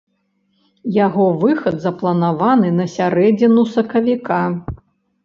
Яго выхад запланаваны на сярэдзіну сакавіка.